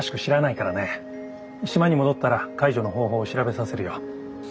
島に戻ったら解除の方法を調べさせるよ。